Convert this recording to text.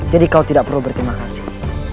jadi kau tidak perlu berterima kasih